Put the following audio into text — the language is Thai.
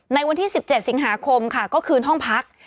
ในวันที่๑๗สิงหาคมค่ะก็คืนห้องพัก